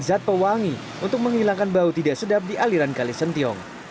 zat pewangi untuk menghilangkan bau tidak sedap di aliran kalisentiong